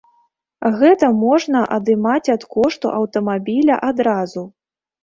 Гэта можна адымаць ад кошту аўтамабіля адразу.